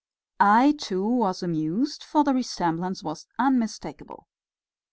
I, too, was amused, for the resemblance was unmistakable.